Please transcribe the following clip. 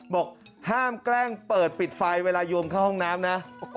บอกห้ามแกล้งเปิดปิดไฟเวลาโยมเข้าห้องน้ำนะ